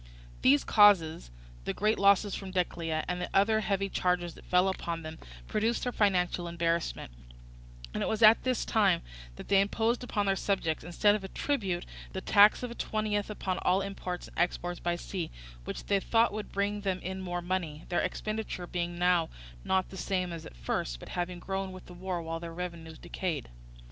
These causes, the great losses from Decelea, and the other heavy charges that fell upon them, produced their financial embarrassment; and it was at this time that they imposed upon their subjects, instead of the tribute, the tax of a twentieth upon all imports and exports by sea, which they thought would bring them in more money; their expenditure being now not the same as at first, but having grown with the war while their revenues decayed.